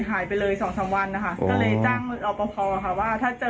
หายไปเลยสองสามวันนะคะก็เลยจ้างรอปภค่ะว่าถ้าเจอ